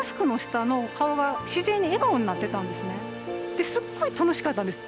ですっごい楽しかったんです。